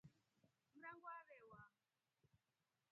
Mrango arewa.